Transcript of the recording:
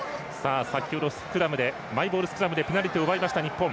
先ほどマイボールスクラムでペナルティを奪いました、日本。